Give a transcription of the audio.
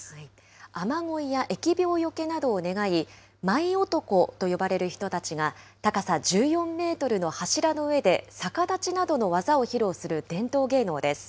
雨乞いや疫病よけなどを願い、舞男と呼ばれる人たちが高さ１４メートルの柱の上で逆立ちなどの技を披露する伝統芸能です。